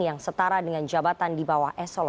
yang setara dengan jabatan di bawah s dua